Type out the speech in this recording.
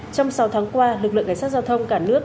trong sáu tháng qua lực lượng cảnh sát giao thông cả nước